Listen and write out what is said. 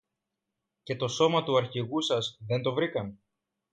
Και το σώμα του Αρχηγού σας δεν το βρήκαν;